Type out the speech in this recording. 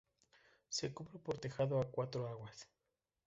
Se cubre por tejado a cuatro aguas.